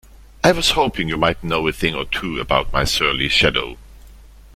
I was hoping you might know a thing or two about my surly shadow?